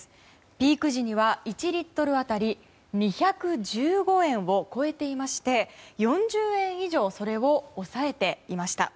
ピーク時には１リットル当たり２１５円を超えていまして４０円以上それを抑えていました。